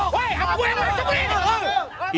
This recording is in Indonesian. woy apa gue yang merasukin